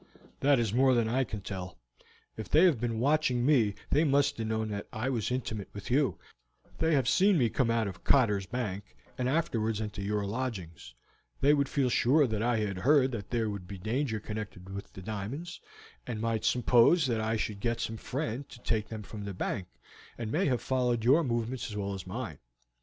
"That is more than I can tell; if they have been watching me they must have known that I was intimate with you; they have seen me come out of Cotter's Bank, and afterwards enter your lodgings; they would feel sure that I had heard that there would be danger connected with the diamonds, and might suppose that I should get some friend to take them from the bank, and may have followed your movements as well as mine.